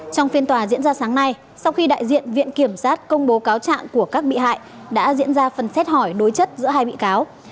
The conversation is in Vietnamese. trong phiên tòa diễn ra sáng nay sau khi đại diện viện kiểm sát công bố cáo trạng của các bị hại đã diễn ra phần xét hỏi đối chất giữa hai bị cáo